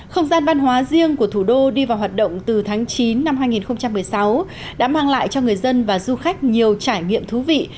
không gian văn hóa riêng của thủ đô đi vào hoạt động từ tháng chín năm hai nghìn một mươi sáu đã mang lại cho người dân và du khách nhiều trải nghiệm thú vị